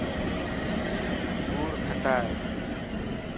انوگور کٽا هي.